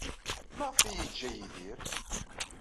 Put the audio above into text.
Maɣef ay iyi-yeǧǧa Yidir?